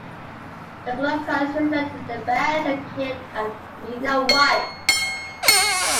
The club colours, reflected in their badge and kit, are green and white.